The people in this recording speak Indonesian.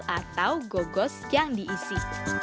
atau gogos yang diisi